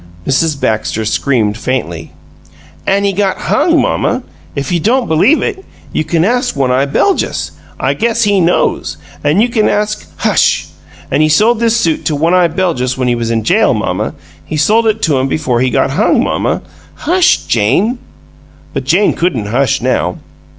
Mrs. Baxter screamed faintly. "An' he got hung, mamma! If you don't believe it, you can ask One eye Beljus I guess HE knows! An' you can ask " "Hush!" "An' he sold this suit to One eye Beljus when he was in jail, mamma. He sold it to him before he got hung, mamma." "Hush, Jane!" But Jane couldn't hush now.